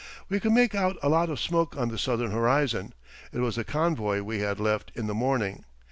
We could make out a lot of smoke on the southern horizon. It was the convoy we had left in the morning.